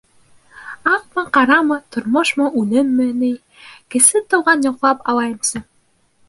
— Аҡмы, ҡарамы, тормошмо, үлемме... ней, Кесе Туған, йоҡлап алайымсы.